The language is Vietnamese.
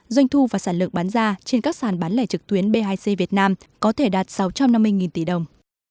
doanh thu và sản lượng bán ra trên các sàn bán lẻ trực tuyến b hai c việt nam có thể đạt sáu trăm năm mươi tỷ đồng